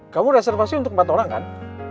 kamu reservasi untuk empat orang kan